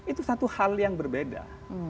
itu satu hal yang berbeda